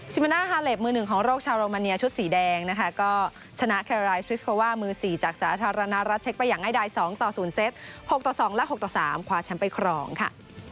จิมิน่าฮาเลปมือหนึ่งของโลกชาวโรมาเนียชุดสีแดงนะคะก็ชนะแคลอรายสวิสโครว่ามือสี่จากสาธารณรัชเช็กไปอย่างง่ายดายสองต่อศูนย์เซ็ตหกต่อสองและหกต่อสามคว้าแชมป์ไปครองค่ะ